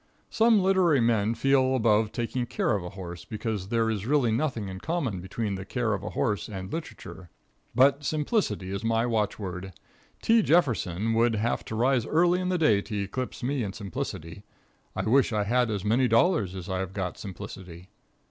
Some literary men feel above taking care of a horse, because there is really nothing in common between the care of a horse and literature, but simplicity is my watchword. T. Jefferson would have to rise early in the day to eclipse me in simplicity. I wish I had as many dollars as I have got simplicity.